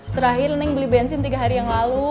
terakhir ning beli bensin tiga hari yang lalu